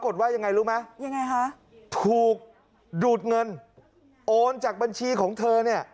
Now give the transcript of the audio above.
ถูกดูดเงินโอนจากบัญชีของเธอ